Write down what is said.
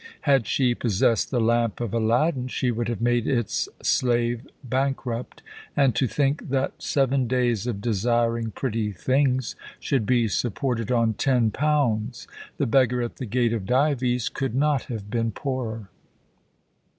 Had she possessed the lamp of Aladdin she would have made its slave bankrupt; and to think that seven days of desiring pretty things should be supported on ten pounds! The beggar at the gate of Dives could not have been poorer.